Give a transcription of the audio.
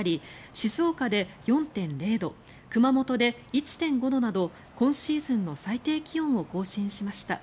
静岡で４．０度熊本で１．５度など今シーズンの最低気温を更新しました。